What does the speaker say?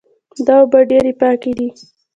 دا اوبه ډېرې پاکې دي